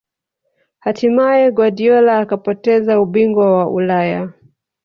hatimaye guardiola akapoteza ubingwa wa ulaya